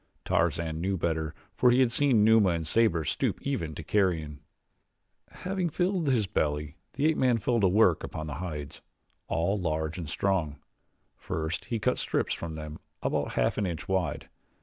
Tarzan knew better for he had seen Numa and Sabor stoop even to carrion. Having filled his belly, the ape man fell to work upon the hides all large and strong. First he cut strips from them about half an inch wide.